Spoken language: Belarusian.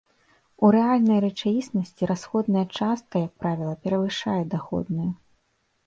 У рэальнай рэчаіснасці расходная частка, як правіла, перавышае даходную.